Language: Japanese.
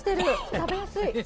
食べやすい。